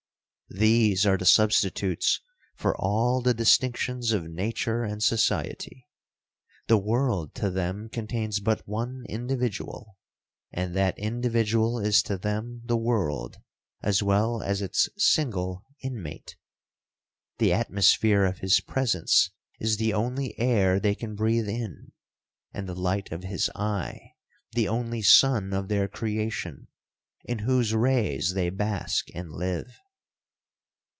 These are the substitutes for all the distinctions of nature and society. The world to them contains but one individual,—and that individual is to them the world as well as its single inmate. The atmosphere of his presence is the only air they can breathe in,—and the light of his eye the only sun of their creation, in whose rays they bask and live.'